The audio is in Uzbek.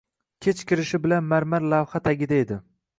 Kech kirishi bilan marmar lavha tagida edi.